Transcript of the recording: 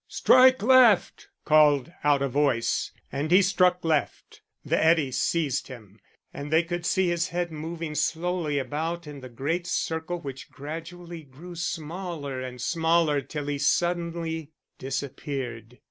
"Strike left!" called out a voice. And he struck left. The eddy seized him and they could see his head moving slowly about in the great circle which gradually grew smaller and smaller till he suddenly disappeared.